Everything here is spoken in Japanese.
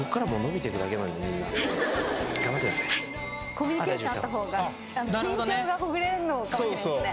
コミュニケーションあった方が緊張がほぐれるのかもしれないですね。